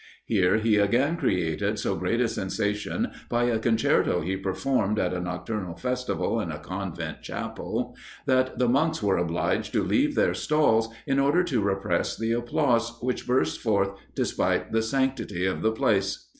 Here he again created so great a sensation by a concerto he performed at a nocturnal festival in a convent chapel, that the monks were obliged to leave their stalls, in order to repress the applause which burst forth despite the sanctity of the place.